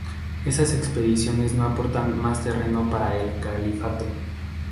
Estas expediciones no aportaron más terreno para el Califato.